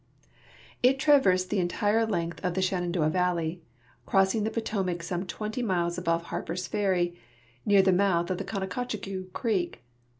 It traversed the entire length of the Shenandoah valley, crossing the Potomac some 20 miles above Harpers Ferry, near the mouth of the Couococheague creek.